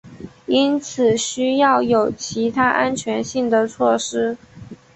因此需要有其他安全性的措施。